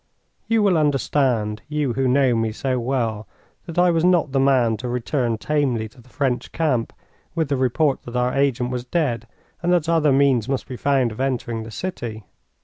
You will understand, you who know me so well, that I was not the man to return tamely to the French camp with the report that our agent was dead and that other means must be found of entering the city.